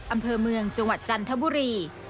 อำเภอเมืองจังหวัดจันทบุรี